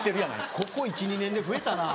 ここ１２年で増えたな。